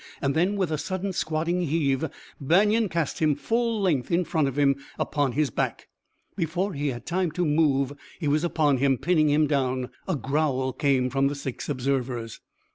Then, with a sudden squatting heave, Banion cast him full length in front of him, upon his back! Before he had time to move he was upon him, pinning him down. A growl came from six observers.